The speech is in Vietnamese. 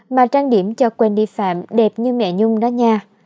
mà trang điểm cho quên đi phạm đẹp như mẹ nhung đó nha